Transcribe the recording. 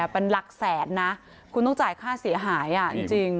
เป็นหลักแสนนะคุณต้องจ่ายค่าเสียหายจริง